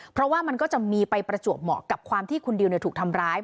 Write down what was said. เพราะว่ามันก็จะมีไปประจวบเหมาะกับความที่คุณดิวถูกทำร้าย